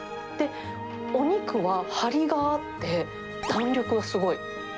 で、お肉は張りがあって、弾力がすごい。